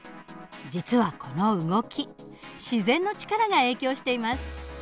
実はこの動き自然の力が影響しています。